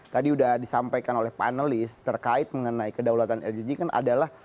tadi sudah disampaikan oleh panelis terkait mengenai kedaulatan energi kan adalah